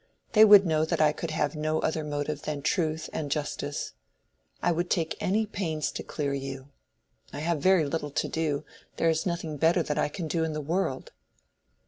They would know that I could have no other motive than truth and justice. I would take any pains to clear you. I have very little to do. There is nothing better that I can do in the world."